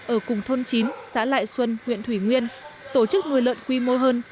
ở cùng thôn chín xã lại xuân huyện thủy nguyên tổ chức nuôi lợn quy mô hơn